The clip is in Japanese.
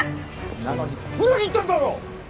・なのに裏切ったんだろ？